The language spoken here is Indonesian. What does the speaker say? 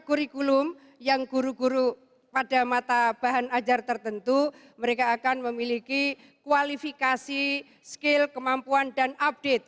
dan kurikulum yang guru guru pada mata bahan ajar tertentu mereka akan memiliki kualifikasi skill kemampuan dan update